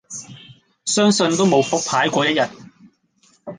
相信都無復牌果一日